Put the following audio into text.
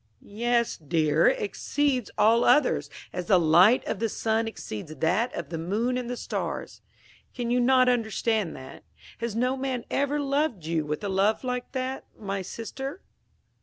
"Yes, dear, exceeds all others, as the light of the sun exceeds that of the moon and the stars. Can you not understand that has no man ever loved you with a love like that, my sister?"